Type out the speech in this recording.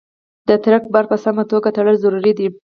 د ټرک بار په سمه توګه تړل ضروري دي.